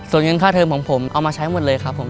ส่วนเงินค่าเทิมของผมเอามาใช้หมดเลยครับผม